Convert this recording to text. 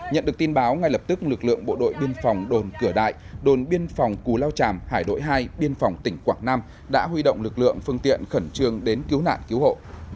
nhận được tin báo ngay lập tức lực lượng bộ đội biên phòng đồn cửa đại đồn biên phòng cú lao chàm hải đội hai biên phòng tỉnh quảng nam đã huy động lực lượng phương tiện khẩn trương đến cứu nạn cứu hộ